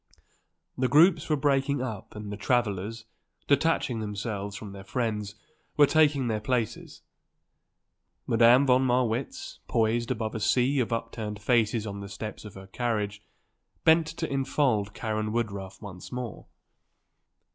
The groups were breaking up and the travellers, detaching themselves from their friends, were taking their places. Madame von Marwitz, poised above a sea of upturned faces on the steps of her carriage, bent to enfold Karen Woodruff once more.